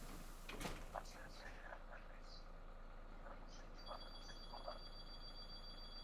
Asteazkenean, berriz, giro eguzkitsua nagusituko da.